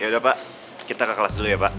yaudah pak kita ke kelas dulu ya pak